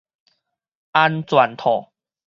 安全套